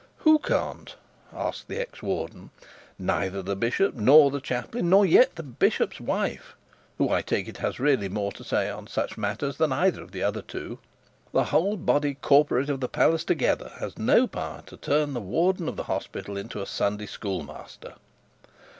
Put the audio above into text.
'Who can't?' asked the ex warden. 'Neither can the bishop nor the chaplain, nor yet the bishop's wife, who, I take it, has really more to say to such matters than either of the other two. The whole body corporate of the palace together have no power to turn the warden of the hospital into a Sunday schoolmaster.'